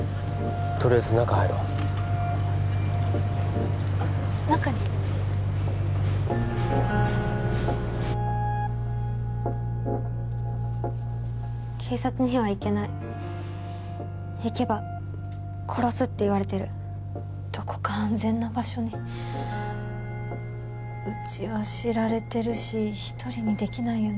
とりあえず中入ろう中に警察には行けない行けば殺すって言われてるどこか安全な場所にうちは知られてるし一人にできないよね